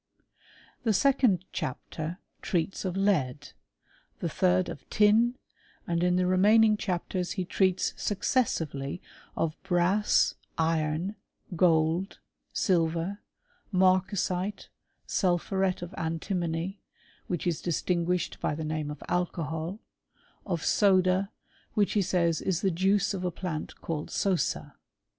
The second chapter treats of lead, the third of tin^ and in the remaining chapters he treats successively of brass, iron, gold, silver, marcasite, sulphuret of antimony, which is distinguished by the name of alcohol; of soda, which he says is the juice of a plant called sosa.